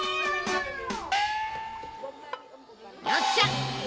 よっしゃ！